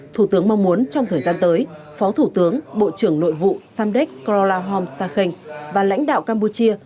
thủ tướng mong muốn trong thời gian tới phó thủ tướng bộ trưởng nội vụ samdek krolahom sakhenk và lãnh đạo campuchia